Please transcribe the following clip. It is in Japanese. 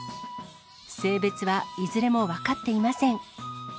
性別はいずれも分かっていません。